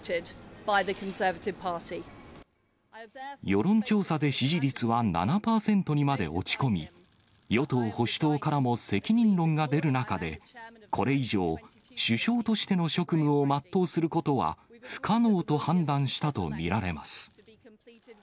世論調査で支持率は７％にまで落ち込み、与党・保守党からも責任論が出る中で、これ以上、首相としての職務を全うすることは不可能と判断したと見られます。